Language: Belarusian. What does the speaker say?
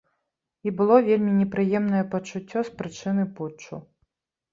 І было вельмі непрыемнае пачуццё з прычыны путчу.